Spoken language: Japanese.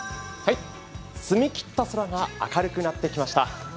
澄み切った空が明るくなってきました。